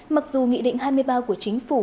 mặc dù nghị định hai mươi ba của chính phủ